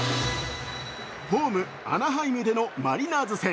ホーム、アナハイムでのマリナーズ戦。